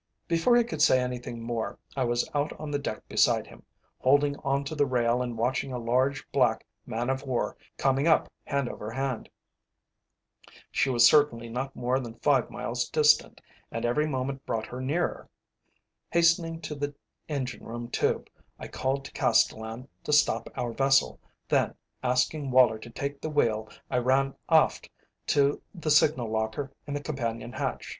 Before he could say anything more I was out on the deck beside him, holding on to the rail and watching a large black man of war coming up hand over hand. She was certainly not more than five miles distant, and every moment brought her nearer. Hastening to the engine room tube, I called to Castellan to stop our vessel; then, asking Woller to take the wheel, I ran aft to the signal locker in the companion hatch.